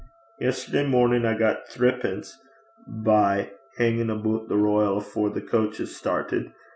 Yesterday mornin' I got thrippence by hingin' aboot the Royal afore the coches startit.